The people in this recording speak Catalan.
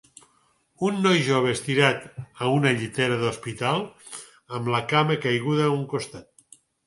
Un noi jove estirat a una llitera d'hospital amb la cama caiguda a un costat.